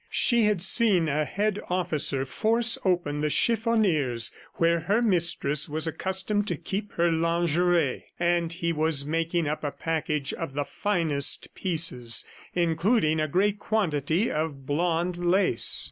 She had seen a head officer force open the chiffoniers where her mistress was accustomed to keep her lingerie, and he was making up a package of the finest pieces, including a great quantity of blonde lace.